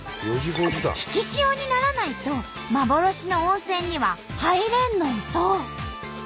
引き潮にならないと幻の温泉には入れんのんと！